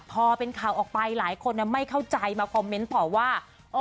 พอเป็นข่าวออกไปหลายคนไม่เข้าใจมาคอมเมนต์ต่อว่า